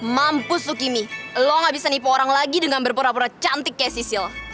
mampu sukimi lo gak bisa nipu orang lagi dengan berpura pura cantik kayak sisil